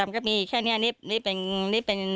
ก็มีแค่เนี่ยนี่เป็น